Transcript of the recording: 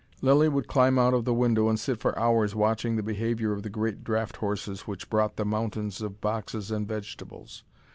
Lilly would climb out of the window and sit for hours watching the behaviour of the great draught horses which brought the mountains of boxes and vegetables.